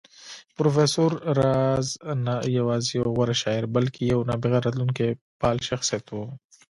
پروفېسر راز نه يوازې يو غوره شاعر بلکې يو نابغه راتلونکی پال شخصيت و